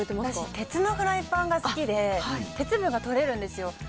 私、鉄のフライパンが好きで、鉄分がとれるんですよ。